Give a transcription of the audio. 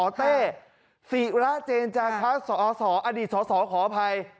คุณเต้ศีราเจญจากษัสสออดีตสอขออภัย